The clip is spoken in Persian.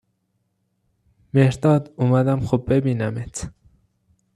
مهرداد اومدم خوب ببینمت